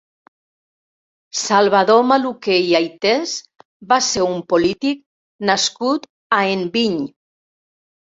Salvador Maluquer i Aytés va ser un polític nascut a Enviny.